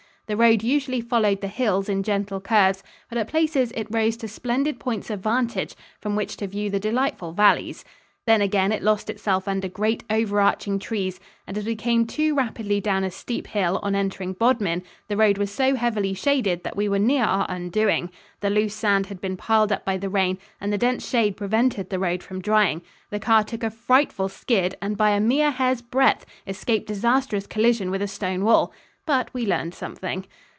The road usually followed the hills in gentle curves, but at places it rose to splendid points of vantage from which to view the delightful valleys. Then again it lost itself under great over arching trees, and as we came too rapidly down a steep hill on entering Bodmin, the road was so heavily shaded that we were near our undoing. The loose sand had been piled up by the rain and the dense shade prevented the road from drying. The car took a frightful skid and by a mere hair's breadth escaped disastrous collision with a stone wall but we learned something.